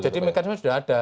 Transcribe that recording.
jadi mekanisme sudah ada